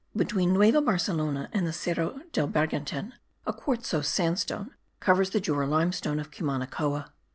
Between Nueva Barcelona and the Cerro del Bergantin a quartzose sandstone covers the Jura limestone of Cumanacoa.